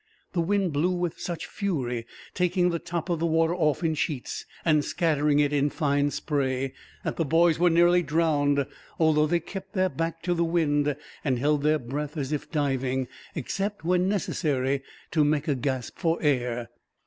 The wind blew with such fury, taking the top of the water off in sheets, and scattering it in fine spray, that the boys were nearly drowned; although they kept their back to the wind, and held their breath as if diving, except when necessary to make a gasp for air.